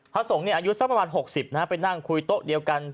พระสงฆ์อายุสักประมาณ๖๐ไปนั่งคุยโต๊ะเดียวกัน